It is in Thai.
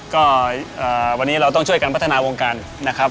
ก็วันนี้เราต้องช่วยกันพัฒนาวงการนะครับ